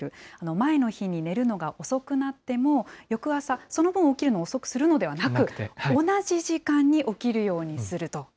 前の日に寝るのが遅くなっても、翌朝、その分起きるのを遅くするのではなく、同じ時間に起きるようにすると。